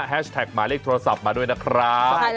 แท็กหมายเลขโทรศัพท์มาด้วยนะครับ